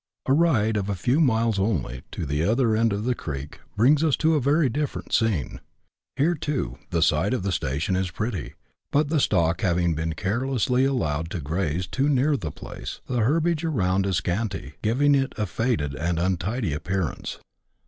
A ride of a few miles only, to the other end of the creek, brings us to a very different scene. Here, too, the site of the station is pretty, but, the stock having been carelessly allowed to graze too near the place, the herbage around is scanty, giving it a faded and untidy appear ance.